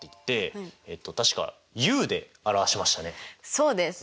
そうです。